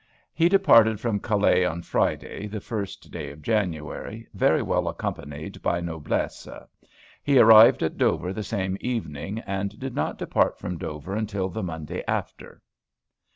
"He departed from Calais on Friday, the first day of January, very well accompanied by noblesse. He arrived at Dover the same evening, and did not depart from Dover until the Monday after."